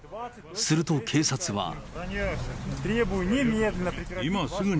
すると警察は。